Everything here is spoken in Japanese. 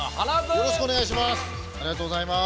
よろしくお願いします。